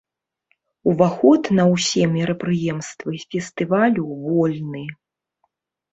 Уваход на ўсе мерапрыемствы фестывалю вольны.